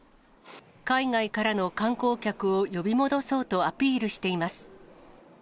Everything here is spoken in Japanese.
海外からの観光客を呼び戻そうとアピールしています。